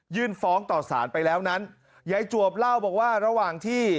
ฟ้องต่อสารไปแล้วนั้นยายจวบเล่าบอกว่าระหว่างที่